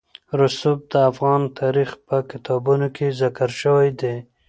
رسوب د افغان تاریخ په کتابونو کې ذکر شوی دي.